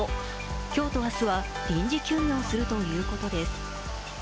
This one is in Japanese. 今日と明日は臨時休業するということです。